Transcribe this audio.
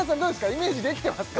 イメージできてますか？